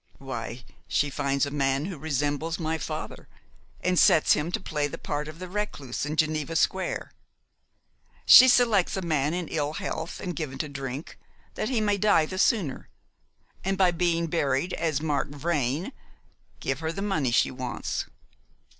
"Why, she finds a man who resembles my father, and sets him to play the part of the recluse in Geneva Square. She selects a man in ill health and given to drink, that he may die the sooner; and, by being buried as Mark Vrain, give her the money she wants.